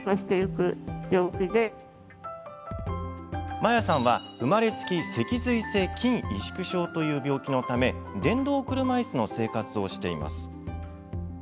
まやさんは、生まれつき脊髄性筋萎縮症という病気のため電動車いすの生活をしています。